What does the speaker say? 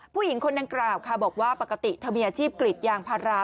ผู้หญิงคนนั้นกราบบอกว่าปกติทำงานอาชีพกลิดยางพารา